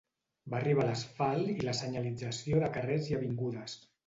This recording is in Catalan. Va arribar l'asfalt i la senyalització de carrers i avingudes.